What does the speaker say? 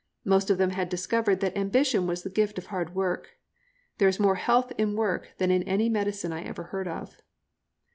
Most of them had discovered that ambition was the gift of hard work. There is more health in work than in any medicine I ever heard of.